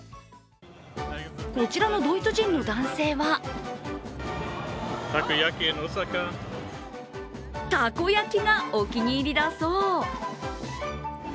こちらのドイツ人の男性はたこ焼きがお気に入りだそう。